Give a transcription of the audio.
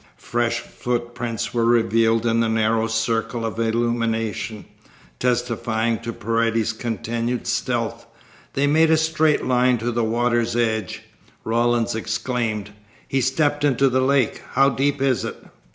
Fresh footprints were revealed in the narrow circle of illumination. Testifying to Paredes's continued stealth, they made a straight line to the water's edge. Rawlins exclaimed: "He stepped into the lake. How deep is it?"